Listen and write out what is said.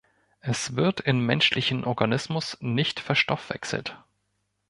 Es wird im menschlichen Organismus nicht verstoffwechselt.